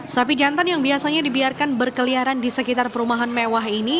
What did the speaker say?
sapi jantan yang biasanya dibiarkan berkeliaran di sekitar perumahan mewah ini